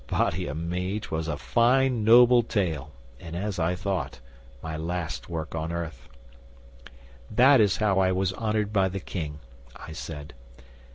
Body o' me, 'twas a fine, noble tale, and, as I thought, my last work on earth. '"That is how I was honoured by the King," I said.